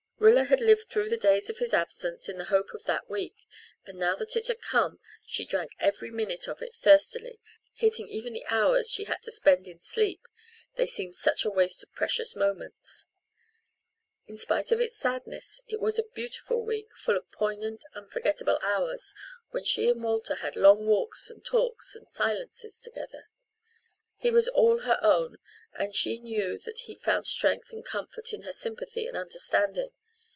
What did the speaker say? Rilla had lived through the days of his absence on the hope of that week, and now that it had come she drank every minute of it thirstily, hating even the hours she had to spend in sleep, they seemed such a waste of precious moments. In spite of its sadness, it was a beautiful week, full of poignant, unforgettable hours, when she and Walter had long walks and talks and silences together. He was all her own and she knew that he found strength and comfort in her sympathy and understanding.